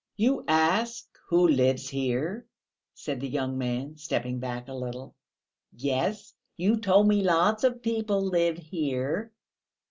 "You ask who lives here?" said the young man, stepping back a little. "Yes; you told me lots of people live here."